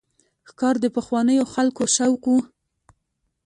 ښکار د پخوانیو خلکو شوق و.